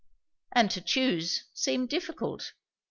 And to choose seemed difficult.